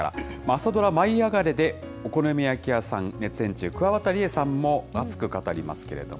朝ドラ、舞いあがれ！でお好み焼き屋さん熱演中、くわばたりえさんも熱く語りますけれども。